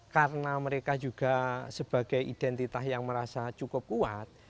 karena mereka juga sebagai identitas yang merasa cukup kuat